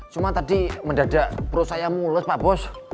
cuma tadi mendadak perut saya mulus pak bos